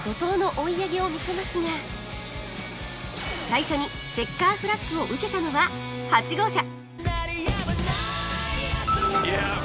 最初にチェッカーフラッグを受けたのは８号車